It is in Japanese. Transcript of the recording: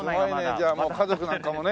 じゃあもう家族なんかもね。